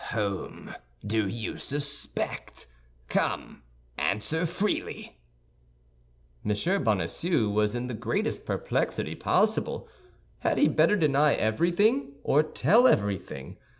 "Whom do you suspect? Come, answer freely." M. Bonacieux was in the greatest perplexity possible. Had he better deny everything or tell everything?